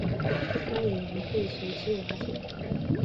该委员会随之瓦解。